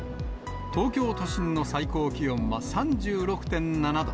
東京都心の最高気温は３６．７度。